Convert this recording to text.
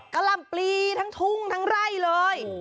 กล่ำปลีทั้งทุ่งทั้งไร่เลย